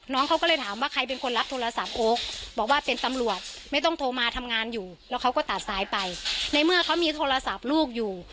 น้องเขาก็เลยถามว่าใครเป็นคนรับโทรศัพท์โอ๊คบอกว่าเป็นตำรวจไม่ต้องโทรมาทำงานอยู่แล้วเขาก็ตัดซ้ายไปในเมื่อเขามีโทรศัพท์ลูกอยู่